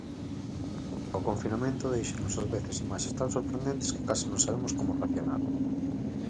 O confinamento déixanos ás veces imaxes tan sorprendentes que case non sabemos como reaccionar.